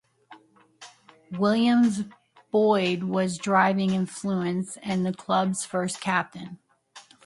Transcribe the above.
William S Boyd was a driving influence and the club's first Captain.